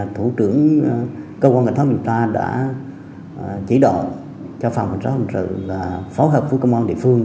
thủ trưởng công an cảnh sát việt nam đã chỉ đoạn cho phòng cảnh sát hình sự phó hợp với công an địa phương